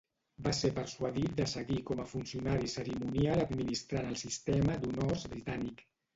Va ser persuadit de seguir com a funcionari cerimonial administrant el Sistema d'Honors Britànic.